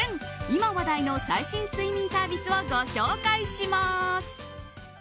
今話題の最新睡眠サービスをご紹介します。